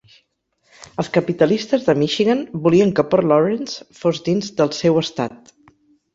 Els capitalistes de Michigan volien que Port Lawrence fos dins "del seu" estat.